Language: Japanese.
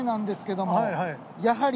やはり。